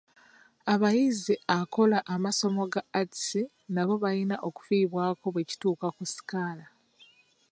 Abayizi akola amasomo ga atisi nabo balina okufiibwako bwe kituuka ku sikaala.